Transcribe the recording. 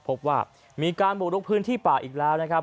พบว่ามีการบุรุกพื้นที่ป่าอีกแล้ว